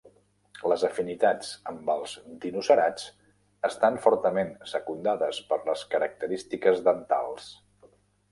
Les afinitats amb els dinocerats estan fortament secundades per les característiques dentals.